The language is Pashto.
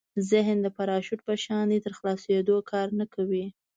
ذهن د پراشوټ په شان دی تر خلاصېدو کار نه کوي.